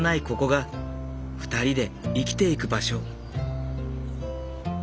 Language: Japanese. ここが２人で生きていく場所。